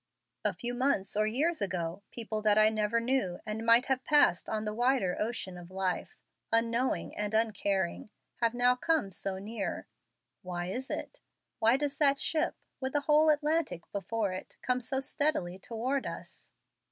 "A few months or years ago, people that I never knew, and might have passed on the wider ocean of life, unknowing and uncaring, have now come so near! Why is it? Why does that ship, with the whole Atlantic before it, come so steadily toward us?"